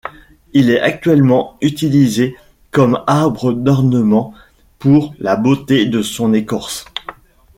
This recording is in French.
Il est actuellement utilisé comme arbre d’ornement pour la beauté de son écorce.